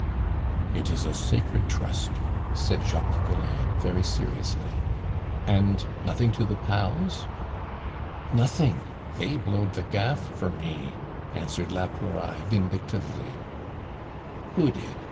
"It is a sacred trust," said Jacques Collin very seriously. "And nothing to the pals?" "Nothing! They blowed the gaff for me," answered la Pouraille vindictively. "Who did?